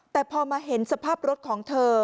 แต่พอมาเห็นสภาพรถของเธอ